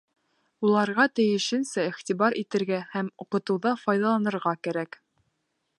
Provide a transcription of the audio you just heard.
Уларға тейешенсә иғтибар итергә һәм уҡытыуҙа файҙаланырға кәрәк.